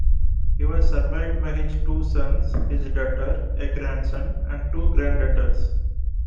He was survived by his two sons, his daughter, a grandson and two granddaughters.